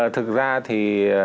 thực ra thì